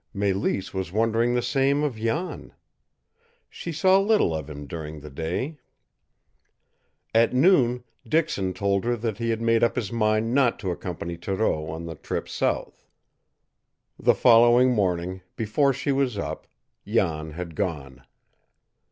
Mélisse was wondering the same of Jan. She saw little of him during the day. At noon, Dixon told her that he had made up his mind not to accompany Thoreau on the trip south. The following morning, before she was up, Jan had gone.